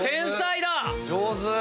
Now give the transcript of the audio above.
上手！